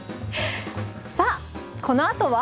さあこのあとは。